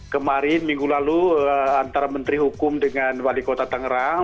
kemarin minggu lalu antara menteri hukum dengan wali kota tangerang